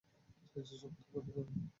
চাচা, শক্ত করে ধরো।